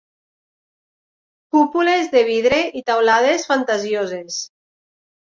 Cúpules de vidre i teulades fantasioses